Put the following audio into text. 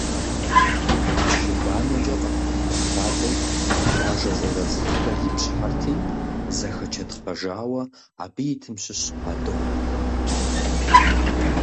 Чы банэкӏэ къэхухьа хадэм къуажэ щӏалэ цӏыкӏухэр ипщхьэрти, зэхэчэтхъэжауэ абы итым щыщ къадыгъурт.